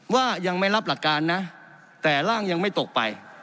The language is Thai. ว่ายังไม่รับหลักการนะแต่ร่างยังไม่ตกไป